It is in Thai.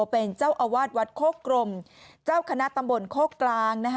เป็นเจ้าอาวาสวัดโคกรมเจ้าคณะตำบลโคกกลาง